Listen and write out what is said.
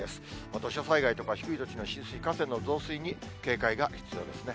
土砂災害とか低い土地の浸水、河川の増水に警戒が必要ですね。